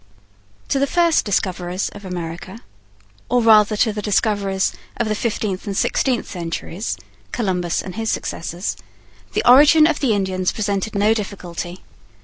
To the first discoverers of America, or rather to the discoverers of the fifteenth and sixteenth centuries (Columbus and his successors), the origin of the Indians presented no difficulty.